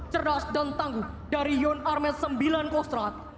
cerdas dan tangguh dari yon armet sembilan kostrat